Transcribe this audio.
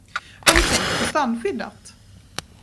Har ni tänkt på strandskyddet?